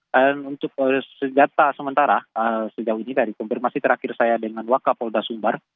dan untuk segata sementara sejauh ini dari konfirmasi terakhir saya dengan wakapolda sumbar